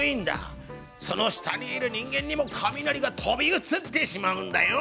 その下にいる人間にも雷がとびうつってしまうんだよ。